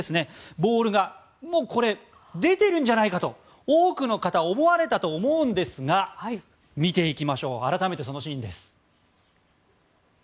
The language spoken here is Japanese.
ボールがこれ、出ているんじゃないかと多くの方は思われたと思うんですが見ていきましょう改めてそのシーンです。